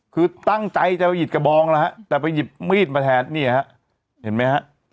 คือตั้งใจจะไปหยิบกระบองแล้วฮะแต่ไปหยิบมีดมาแทนเนี่ยฮะเห็นไหมฮะ